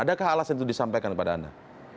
adakah alasan itu disampaikan kepada anda